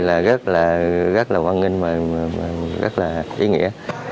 là rất là hoan nghênh và rất là ý nghĩa